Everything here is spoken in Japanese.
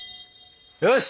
よし！